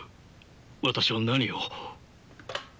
私は何を。